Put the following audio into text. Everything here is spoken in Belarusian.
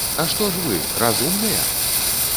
А што ж вы, разумныя?